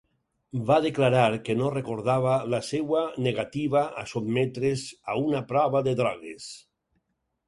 Va declarar que no recordava la seva negativa a sotmetre's a una prova de drogues.